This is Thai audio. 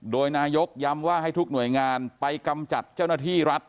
โดยนายกย้ำว่าให้ทุกหน่วยงานไปกำจัดเจ้าหน้าที่รัฐ